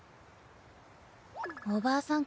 おばあさん